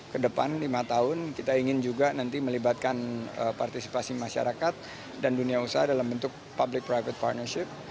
kedepan lima tahun kita ingin juga nanti melibatkan partisipasi masyarakat dan dunia usaha dalam bentuk public private partnership